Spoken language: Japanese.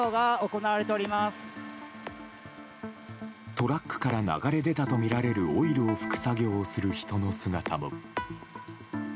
トラックから流れ出たとみられるオイルを拭く作業をする人の姿も。